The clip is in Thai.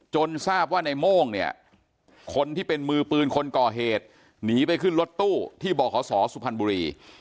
ทราบว่าในโม่งเนี่ยคนที่เป็นมือปืนคนก่อเหตุหนีไปขึ้นรถตู้ที่บขศสุพรรณบุรี